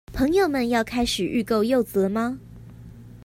朋友們要開始預購柚子了嗎？